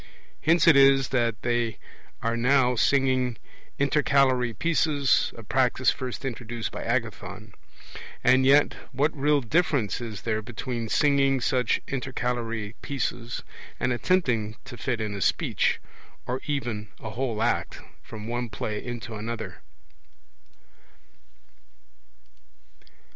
Hence it is that they are now singing intercalary pieces, a practice first introduced by Agathon. And yet what real difference is there between singing such intercalary pieces, and attempting to fit in a speech, or even a whole act, from one play into another?